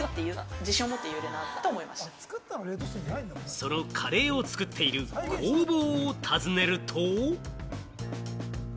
そのカレーを作っている工房を訪ねると。